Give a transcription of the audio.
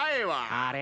あれ？